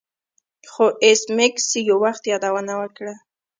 خو ایس میکس یو وخت یادونه وکړه